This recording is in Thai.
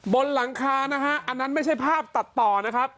บนหลังคานะฮะอันนั้นไม่ใช่ภาพตัดต่อนะครับ